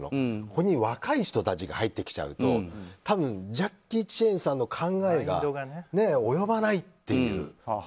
若い人たちが入ってきちゃうとジャッキー・チェンさんの考えが及ばないという。